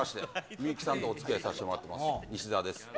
みゆきさんとおつきあいさせてもらってます、いしだです。